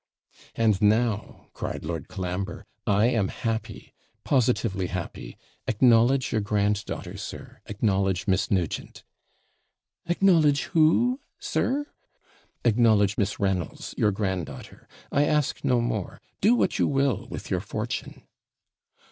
'And now,' cried Lord Colambre, 'I am happy, positively happy. Acknowledge your grand daughter, sir acknowledge Miss Nugent.' 'Acknowledge who, sir?' 'Acknowledge Miss Reynolds your grand daughter; I ask no more do what you will with your fortune.'